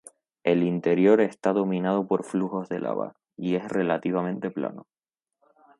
El interior está dominado por flujos de lava, y es relativamente plano.